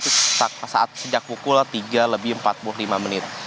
sejak pukul tiga lebih empat puluh lima menit